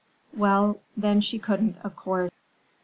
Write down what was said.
"Well, then she couldn't, of course."